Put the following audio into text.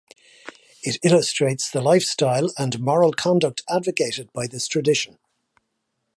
It illustrates the life style and moral conduct advocated by this tradition.